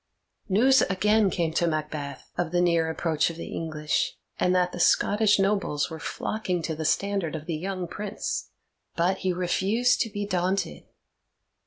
News again came to Macbeth of the near approach of the English, and that the Scottish nobles were flocking to the standard of the young Prince. But he refused to be daunted.